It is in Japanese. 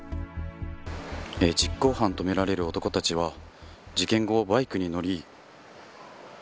実行犯とみられる男たちは事件後、バイクに乗り